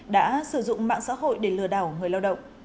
đã sử dụng mạng xã hội để lừa đảo người lao động